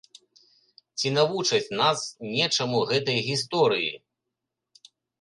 Ці навучаць нас нечаму гэтыя гісторыі?